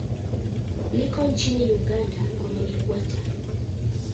Liko nchini Uganda kwenye Ikweta.